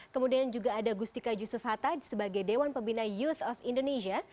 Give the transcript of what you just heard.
kemudian juga ada gustika yusuf hatta sebagai dewan pembina youth of indonesia